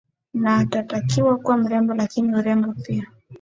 na anatakiwa kuwa mrembo lakini urembo pia